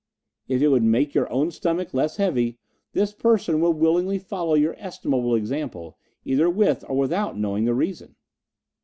"If it would make your own stomach less heavy, this person will willingly follow your estimable example, either with or without knowing the reason."